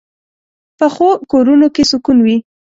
پخو کورونو کې سکون وي